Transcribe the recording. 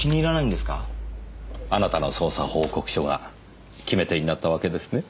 あなたの捜査報告書が決め手になったわけですね？